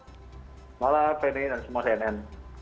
selamat malam ferry dan semua cnn